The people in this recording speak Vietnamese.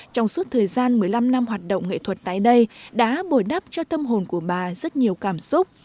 trong suốt thời gian một mươi năm năm hoạt động nghệ thuật tại đây đã bồi đắp cho tâm hồn của bà rất nhiều cảm xúc